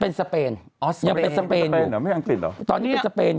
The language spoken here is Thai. เป็นสเปนยังเป็นสเปนอยู่ไม่อังกฤษเหรอ